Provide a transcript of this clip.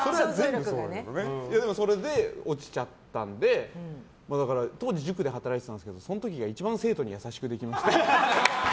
それで落ちちゃったので当時、塾で働いてたんですけどその時が一番生徒に優しくできましたね。